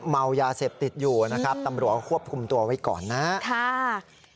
เมายาเสพติดอยู่นะครับตำรวจควบคุมตัวไว้ก่อนนะครับ